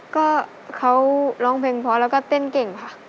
ก็เขาร้องเพลงเพราะแล้วก็เต้นเก่งค่ะ